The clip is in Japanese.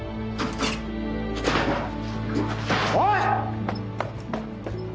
おい！